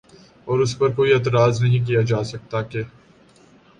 اور اس پر کوئی اعتراض نہیں کیا جا سکتا کہ